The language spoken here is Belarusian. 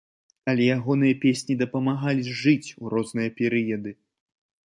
Але ягоныя песні дапамагалі жыць у розныя перыяды.